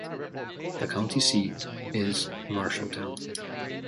The county seat is Marshalltown.